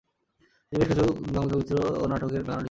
তিনি বেশ কিছু বাংলা চলচ্চিত্র ও নাটক এর গানও লিখেছেন।